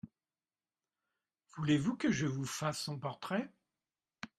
Voulez-vous que je vous fasse son portrait ?